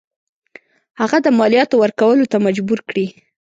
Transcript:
هغه د مالیاتو ورکولو ته مجبور کړي.